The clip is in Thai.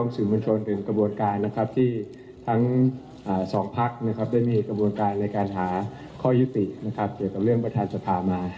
สื่อบัญชนถึงกระบวนการที่ทั้งสองภาคได้มีกระบวนการในการหาข้อยุติเกี่ยวกับเรื่องประธานสภามา